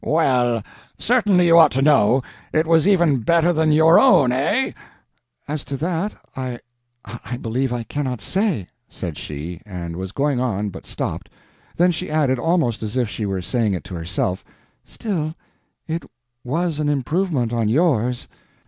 Well, certainly you ought to know. It was even better than your own, eh?" "As to that, I—I believe I cannot say," said she, and was going on, but stopped. Then she added, almost as if she were saying it to herself, "Still, it was an improvement on yours!"